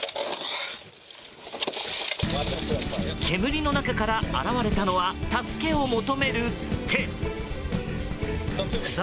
煙の中から現れたのは助けを求める手。